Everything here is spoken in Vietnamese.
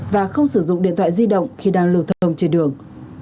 và không sử dụng điện thoại di động khi đang lưu thông trên đường